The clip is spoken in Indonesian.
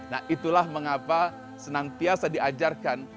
nah itulah mengapa senantiasa diajarkan